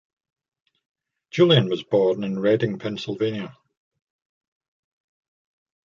Julian was born in Reading, Pennsylvania.